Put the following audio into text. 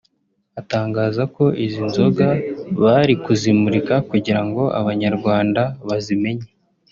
atangaza ko izi nzoga bari kuzimurika kugira ngo Abanyarwanda bazimenye